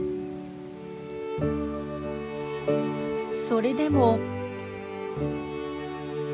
それでも。